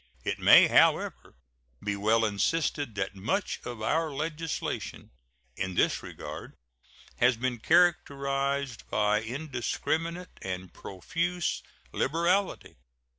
It may, however, be well insisted that much of our legislation in this regard has been characterized by indiscriminate and profuse liberality.